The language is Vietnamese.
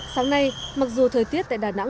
sáng nay mặc dù thời tiết tại đà nẵng